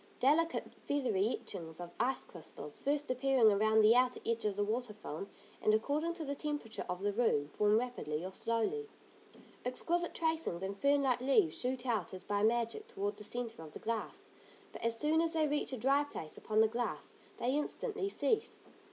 Delicate, feathery etchings of ice crystals first appearing around the outer edge of the water film, and according to the temperature of the room, form rapidly or slowly. Exquisite tracings, and fern like leaves shoot out as by magic toward the centre of the glass, but as soon as they reach a dry place upon the glass, they instantly cease.